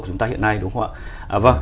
của chúng ta hiện nay đúng không ạ